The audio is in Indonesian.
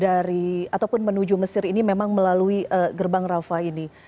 dari ataupun menuju mesir ini memang melalui gerbang rafa ini